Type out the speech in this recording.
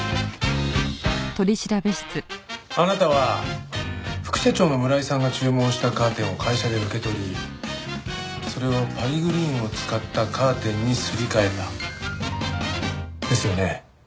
あなたは副社長の村井さんが注文したカーテンを会社で受け取りそれをパリグリーンを使ったカーテンにすり替えた。ですよね？